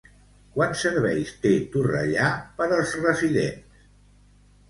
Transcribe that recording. Quants serveis té Torrellà per als residents?